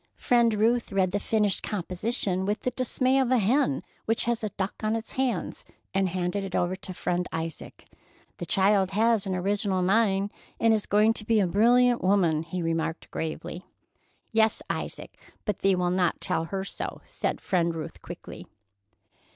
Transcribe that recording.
Friend Ruth read the finished composition with the dismay of a hen which has a duck on its hands, and handed it over to Friend Isaac. "The child has an original mind, and is going to be a brilliant woman," he remarked gravely. "Yes, Isaac, but thee will not tell her so," said Friend Ruth quickly.